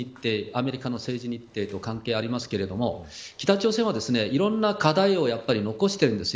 アメリカの政治日程と関係ありますけれども北朝鮮は、いろんな課題を残しているんです。